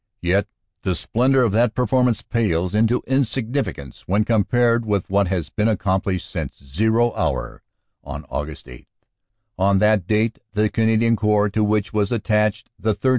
Yet the splendor of that performance pales into insignificance when compared with what has been accomplished since "zero" hour on Aug. 8. "On that date the Canadian Corps to which was attached the 3rd.